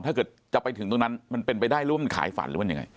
ถ้าเกิดจะไปถึงตรงนั้นมันเป็นไปได้หรือว่ามันขายฝันหรือมันยังไง